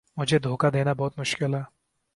مجھے دھوکا دینا بہت مشکل ہے